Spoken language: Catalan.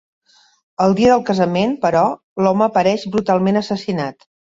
El dia del casament, però, l'home apareix brutalment assassinat.